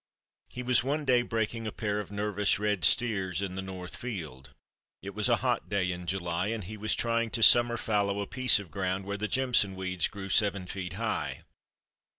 He was one day breaking a pair of nervous red steers in the north field. It was a hot day in July, and he was trying to summer fallow a piece of ground where the jimson weeds grew seven feet high.